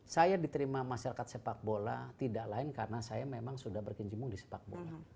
saya diterima masyarakat sepak bola tidak lain karena saya memang sudah berkinjimbung di sepak bola